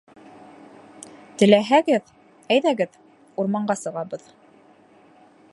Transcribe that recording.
Теләһәгеҙ, әйҙәгеҙ, урманға сығабыҙ.